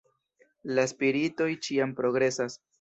La Spiritoj ĉiam progresas.